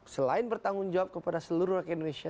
selain bertanggungjawab kepada seluruh rakyat indonesia